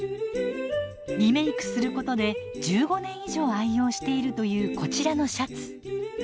リメークすることで１５年以上愛用しているというこちらのシャツ。